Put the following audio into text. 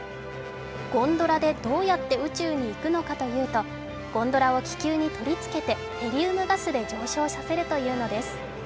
ゴンドラでどうやって宇宙に行くのかというと、ゴンドラを気球に取り付けてヘリウムガスで上昇させるというのです。